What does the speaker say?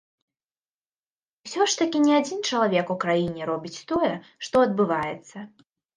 Усё ж такі не адзін чалавек у краіне робіць тое, што адбываецца.